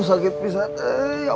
sakit pisah teh ya allah